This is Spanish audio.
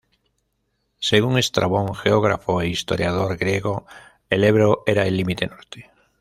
Según Estrabón, geógrafo e historiador griego, el Ebro era el límite norte.